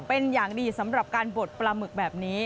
เป็นอย่างดีสำหรับการบดปลาหมึกแบบนี้